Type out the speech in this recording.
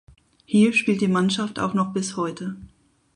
Hier spielt die Mannschaft auch noch bis heute.